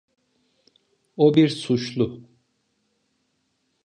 O bir suçlu.